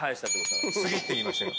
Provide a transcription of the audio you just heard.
「次」って言いました今。